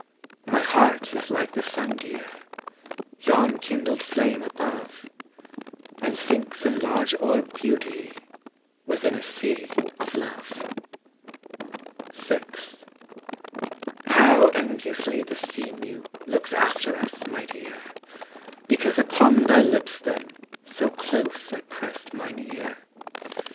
My heart is like the sun, dear, Yon kindled flame above; And sinks in large orbed beauty Within a sea of love. VI. How enviously the sea mew Looks after us, my dear; Because upon thy lips then So close I pressed mine ear.